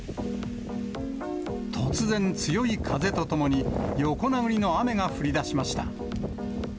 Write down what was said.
突然、強い風とともに、横殴りの雨が降りだしました。